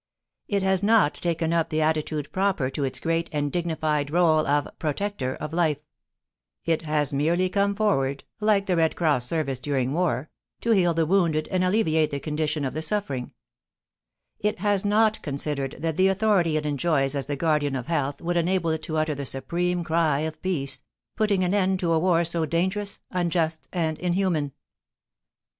It has not taken up the attitude proper to its great and dignified rôle of "protector" of life; it has merely come forward, like the Red Cross Service during war, to heal the wounded and alleviate the condition of the suffering; it has not considered that the authority it enjoys as the guardian of health would enable it to utter the supreme cry of peace, putting an end to a war so dangerous, unjust, and inhuman.